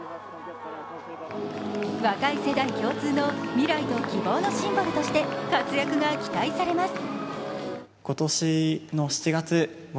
若い世代共通の未来と希望のシンボルとして活躍が期待されます。